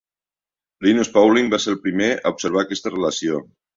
Linus Pauling va ser el primer a observar aquesta relació.